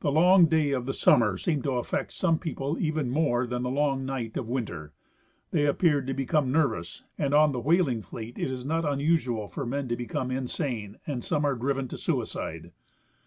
The long day of the summer seems to affect some people even more than the long night of winter; they appear to become nervous, and on the whaling fleet it is not unusual for men to become insane, and some are driven to suicide.